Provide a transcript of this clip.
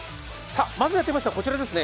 まずやってみますのはこちらですね。